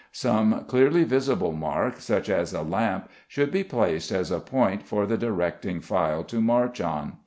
Some clearly visible mark, such as a lamp, should be placed as a point for the directing file to march on.